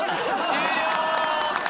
終了！